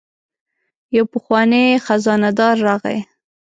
یو پخوانی خزانه دار راغی.